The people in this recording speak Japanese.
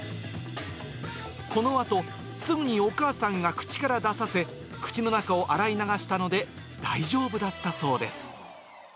このあと、すぐにお母さんが口から出させ、口の中を洗い流したので大丈夫だったそうです。